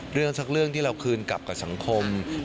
เรื่องสักเรื่องที่เราคืนกลับกับสังคม